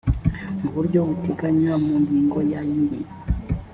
mu buryo buteganywa mu ngingo ya y iri